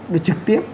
được trực tiếp